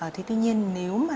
thế tuy nhiên nếu mà